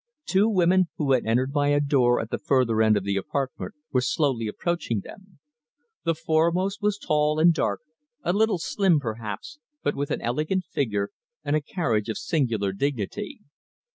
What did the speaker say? Two women, who had entered by a door at the further end of the apartment, were slowly approaching them. The foremost was tall and dark, a little slim, perhaps, but with an elegant figure, and a carriage of singular dignity.